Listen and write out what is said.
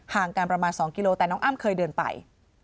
ห่างกันประมาณ๒กิโลแต่น้องอ้ำเคยเดินไป